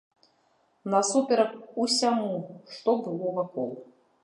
Насуперак усяму, што было вакол.